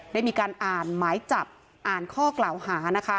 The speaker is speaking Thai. ได้มีการอ่านหมายจับอ่านข้อกล่าวหานะคะ